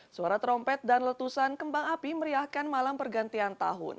suara trompet dan letusan kembang api meriahkan malam pergantian tahun